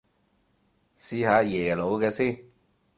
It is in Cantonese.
試下耶魯嘅先